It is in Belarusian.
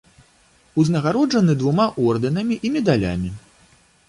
Узнагароджаны двума ордэнамі і медалямі.